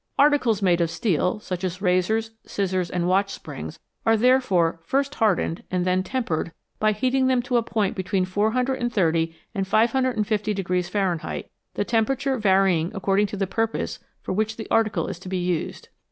Articles made of steel, such as razors, scissors, and watch springs, are therefore first hardened, and then " tempered " by heating them to a point between 430 and 550 Fahrenheit, the tempera ture varying according to the purpose for which the article is to be used.